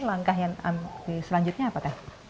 langkah selanjutnya apa teh